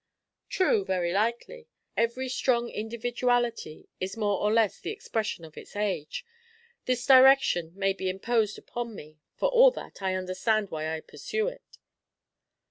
"True, very likely. Every strong individuality is more or less the expression of its age. This direction may be imposed upon me; for all that, I understand why I pursue it."